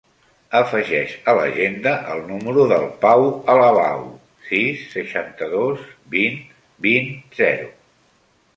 Afegeix a l'agenda el número del Pau Alabau: sis, seixanta-dos, vint, vint, zero.